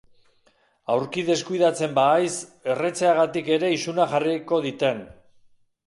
Aurki deskuidatzen bahaiz, erretzeagatik ere isuna jarriko diten.